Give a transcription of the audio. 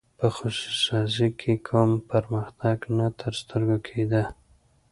په خصوصي سازۍ کې کوم پرمختګ نه تر سترګو کېده.